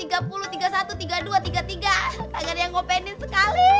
gak ada yang ngopenin sekali